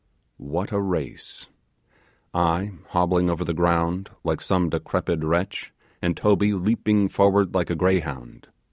What a race! I hobbling over the ground like some decrepid wretch, and Toby leaping forward like a greyhound.